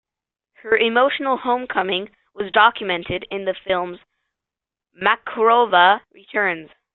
Her emotional homecoming was documented in the film "Makarova Returns".